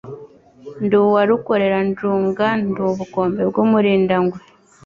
Ndi uwa Rukoreranjunga, ndi ubukombe bw'umurindangwe,